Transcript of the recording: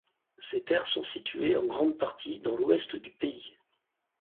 Ces terres sont situées en grande partie dans l'ouest du pays.